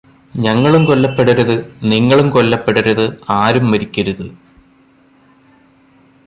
ഞങ്ങളും കൊല്ലപ്പെടരുത്, നിങ്ങളും കൊല്ലപ്പെടരുത്, ആരും മരിക്കരുത്